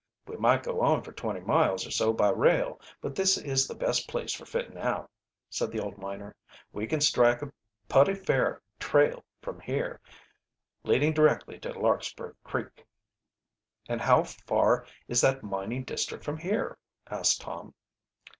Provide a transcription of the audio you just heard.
"We might go on for twenty miles or so by rail, but this is the best place for fitting out," said the old miner. "We can strike a putty fair trail from here, leading directly, to Larkspur Creek." "And how far is that mining district from here?" asked Tom.